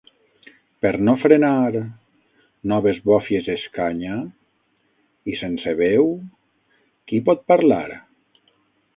Per no ofrenar, noves bòfies escanya; i sense veu, qui pot parlar?